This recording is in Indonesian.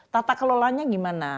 tata kelolaannya gimana